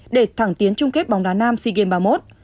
để thẳng tiến trung kết bóng đá nam sea games ba mươi một